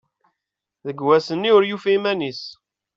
Deg wass-nni ur yufi iman-is